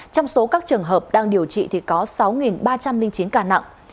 trong số các trường hợp đang điều trị thì có sáu ba trăm linh chín ca nặng